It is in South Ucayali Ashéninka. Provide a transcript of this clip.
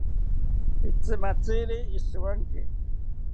Itzimatziri ishiwanki